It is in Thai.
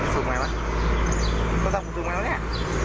สูบไหมวะโทรศัพท์ผมสูบไหมวะเนี่ย